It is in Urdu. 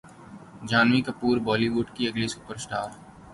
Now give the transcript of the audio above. جھانوی کپور بولی وڈ کی اگلی سپر اسٹار